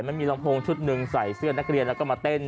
มันมีลำโพงชุดหนึ่งใส่เสื้อนักเรียนแล้วก็มาเต้น